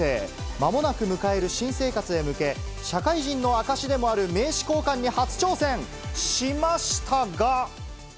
まもなく迎える新生活へ向け、社会人の証しでもある名刺交換に初挑戦しましたが。